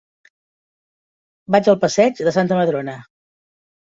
Vaig al passeig de Santa Madrona.